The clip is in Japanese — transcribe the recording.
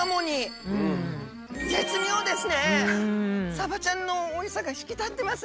サバちゃんのおいしさが引き立ってます。